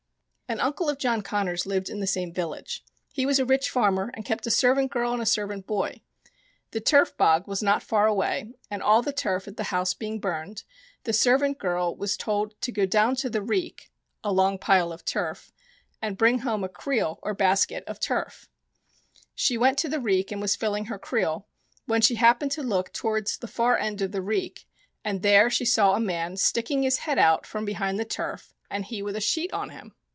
An uncle of John Connors lived in the same village. He was a rich farmer and kept a servant girl and a servant boy. The turf bog was not far away, and all the turf at the house being burned, the servant girl was told to go down to the reek* and bring home a creelf of turf. She went to the reek and was filling her creel, when she happened to look towards the far end of the reek, and there she saw a man sticking his head out from behind the turf, and he with a sheet on him.